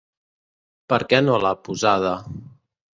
Per què no l’ha posada?